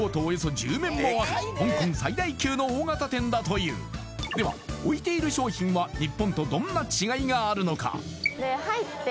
およそ１０面もある香港最大級の大型店だというでは置いている商品は日本とどんな違いがあるのか？